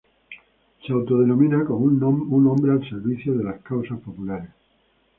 Se autodenomina como un hombre al servicio de las causas populares.